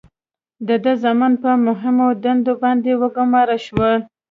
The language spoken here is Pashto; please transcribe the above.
د ده زامن په مهمو دندو باندې وګمارل شول.